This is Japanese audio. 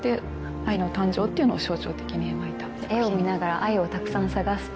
絵を見ながら愛をたくさん探すと。